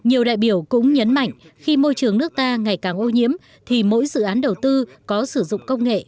nhiều đại biểu cũng nhấn mạnh khi môi trường nước ta ngày càng ô nhiễm thì mỗi dự án đầu tư có sử dụng công nghệ